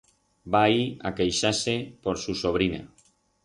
Va ir a queixar-se por su sobrina.